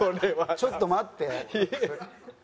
ちょっと待って。